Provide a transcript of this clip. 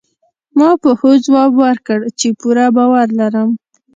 ما په هوځواب ورکړ، چي پوره باور لرم.